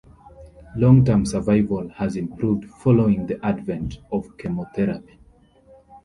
Long-term survival has improved following the advent of chemotherapy.